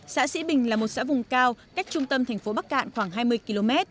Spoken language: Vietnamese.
xã sĩ bình là một xã vùng cao cách trung tâm thành phố bắc cạn khoảng hai mươi km